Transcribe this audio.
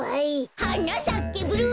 「はなさけブルーローズ」